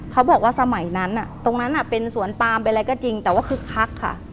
เขาบอกว่าสมัยนั้นตรงนั้นเป็นสวนปามเป็นอะไรก็จริงแต่ว่าคึกคักค่ะ